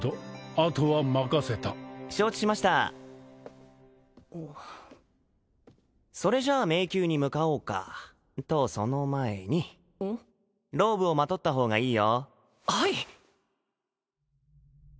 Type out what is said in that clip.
あとは任せた承知しましたそれじゃあ迷宮に向かおうかとその前にローブをまとった方がいいよはい！